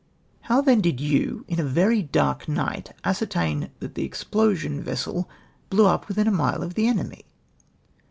''^" How then did you, in a very dark night, ascertain that the explosion vessel blew up luithin a Tiiile of the enemy?"